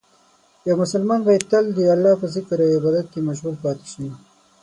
یو مسلمان باید تل د الله په ذکر او عبادت کې مشغول پاتې شي.